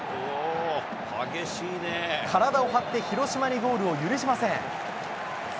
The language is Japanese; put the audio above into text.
体を張って広島にゴールを許しません。